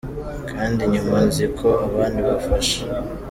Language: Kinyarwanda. Kandi nyuma, nzi ko abandi bafasha.